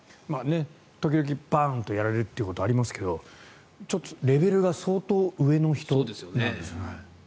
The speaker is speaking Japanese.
時々、バンとやられるということはありますがちょっとレベルが相当上の人なんですね。